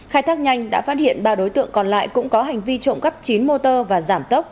khai thác nhanh đã phát hiện ba đối tượng còn lại cũng có hành vi trộm cắp chín motor và giảm tốc